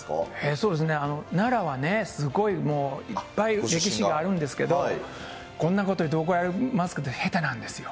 そうですね、奈良はね、すごいもういっぱい歴史があるんですけれども、こんなこと言うと怒られますけど、下手なんですよ。